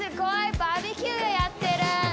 バーベキューやってる。